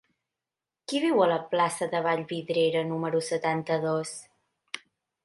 Qui viu a la plaça de Vallvidrera número setanta-dos?